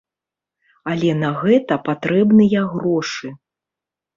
Але на гэта патрэбныя грошы.